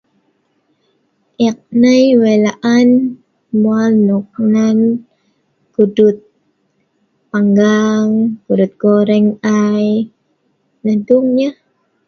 Ek nei wik laan emwal nok nan kudut pangang, kudut goreng ai neh dung nyeh